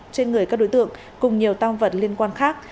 trên người các đối tượng cùng nhiều tăng vật liên quan khác